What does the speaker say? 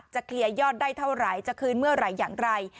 เคลียร์ยอดได้เท่าไหร่จะคืนเมื่อไหร่อย่างไร